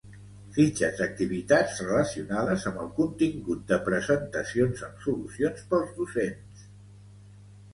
Fitxes d'activitats relacionades amb el contingut de presentacions amb solucions pels docents